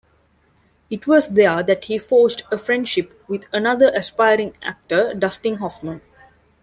It was there that he forged a friendship with another aspiring actor, Dustin Hoffman.